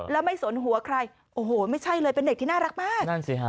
แล้วไม่สนหัวใครโอ้โหไม่ใช่เลยเป็นเด็กที่น่ารักมากนั่นสิฮะ